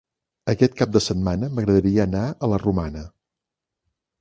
Aquest cap de setmana m'agradaria anar a la Romana.